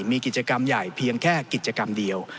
มีกิจกรรมใหญ่เพียงแค่กิจกรรมเดียว